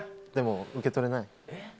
でも受け取れない。